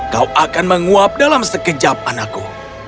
kau akan menguap dalam sekejap anakku